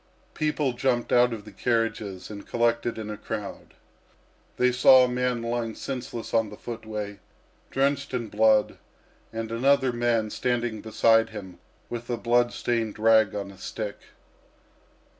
People jumped out of the carriages and collected in a crowd. They saw a man lying senseless on the footway, drenched in blood, and another man standing beside him with a blood stained rag on a stick.